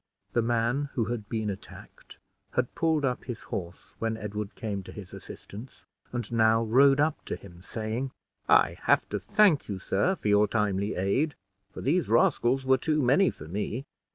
The man who had been attacked had pulled up his horse when Edward came to his assistance, and now rode up to him, saying, "I have to thank you, sir, for your timely aid; for these rascals were too many for me."